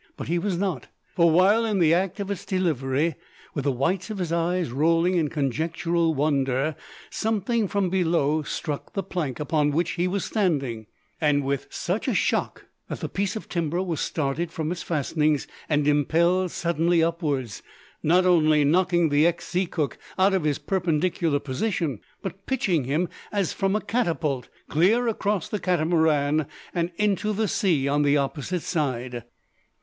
But he was not; for while in the act of its delivery, with the whites of his eyes rolling in conjectural wonder, something from below struck the plank, upon which he was standing, and with such a shock that the piece of timber was started from its fastenings, and impelled suddenly upwards, not only knocking the ex sea cook out of his perpendicular position, but pitching him, as from a catapult, clear across the Catamaran, and into the sea on the opposite side!